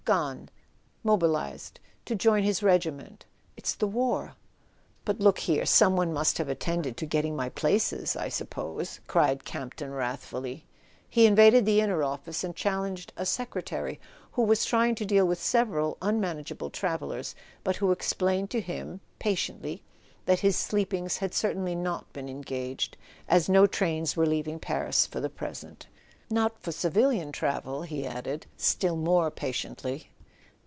"Gone: mobilised—to join his regiment. It's the war." "But look here, some one must have attended to getting my places, I suppose," cried Campton wrath fully. He invaded the inner office and challenged a secretary who was trying to deal with several unman¬ ageable travellers, but who explained to him, patiently, that his sleepings had certainly not been engaged, as no trains were leaving Paris for the present. "Not for civilian travel," he added, still more patiently.